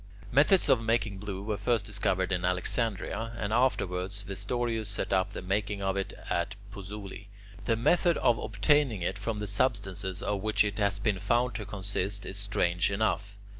Methods of making blue were first discovered in Alexandria, and afterwards Vestorius set up the making of it at Puzzuoli. The method of obtaining it from the substances of which it has been found to consist, is strange enough.